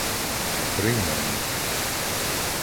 Прийменник